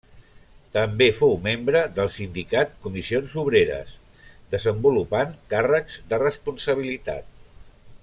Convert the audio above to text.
També fou membre del sindicat Comissions Obreres, desenvolupant càrrecs de responsabilitat.